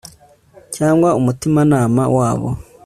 cyangwa umutimanama wabo